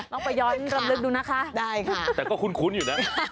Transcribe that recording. ไปย้อนรำลึกดูนะคะได้ค่ะแต่ก็คุ้นอยู่นะ